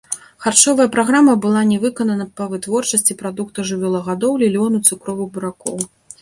Харчовая праграма была не выканана па вытворчасці прадуктаў жывёлагадоўлі, лёну, цукровых буракоў.